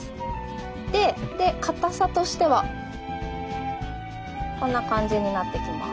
かたさとしてはこんな感じになってきます。